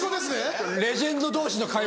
レジェンド同士の会話だから。